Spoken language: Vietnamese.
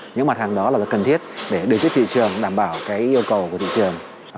những mặt hàng đó là cần thiết để đưa xuất thị trường đảm bảo cái yêu cầu của thị trường